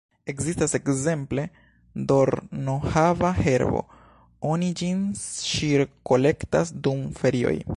Ekzistas, ekzemple, dornohava-herbo, oni ĝin ŝirkolektas dum ferioj.